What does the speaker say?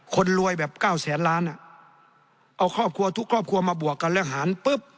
คนรวยแบบ๙๐๐๐๐ล้าน